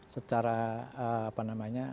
secara apa namanya